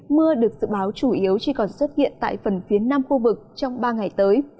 mưa được dự báo chủ yếu chỉ còn xuất hiện tại phần phía nam khu vực trong ba ngày tới